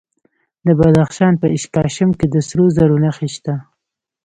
د بدخشان په اشکاشم کې د سرو زرو نښې شته.